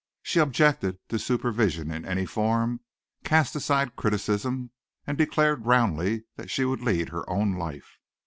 She objected to supervision in any form, cast aside criticism and declared roundly that she would lead her own life.